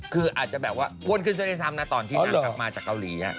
คืออาจจะแบบว่าวนขึ้นช่วยในซ้ำนะตอนที่นางกลับมาจากเกาหลี